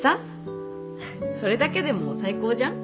それだけでもう最高じゃん。